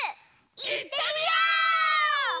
いってみよう！